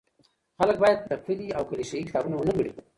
خلګ بايد تپلي او کليشه يي کتابونه ونه لولي.